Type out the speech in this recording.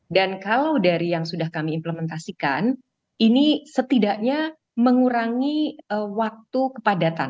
dan kalau dari yang sudah kami implementasikan ini setidaknya mengurangi waktu kepadatan